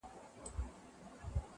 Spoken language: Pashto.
o دا خواركۍ راپسي مه ږغـوه.